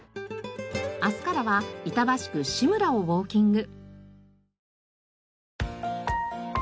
明日からは板橋区志村をウォーキング。